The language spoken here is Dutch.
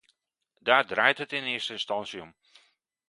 Daar draait het in eerste instantie om.